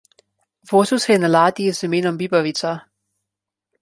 Vozil se je na ladji z imenom Bibavica.